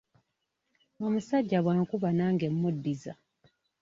Omusajja bw'ankuba nange mmuddiza.